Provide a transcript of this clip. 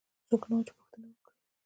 څوک نه وو چې پوښتنه وکړي.